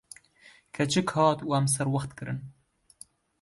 Keçik hat û em serwext kirin.